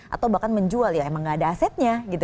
atau bahkan menjual ya emang gak ada asetnya gitu